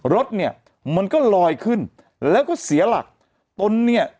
รถเนี่ยมันก็ลอยขึ้นแล้วก็เสียหลักตนเนี่ย